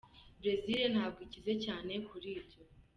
Bresil ntabwo ikize cyane kuri ibyo”.